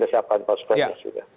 kita siapkan poskonya juga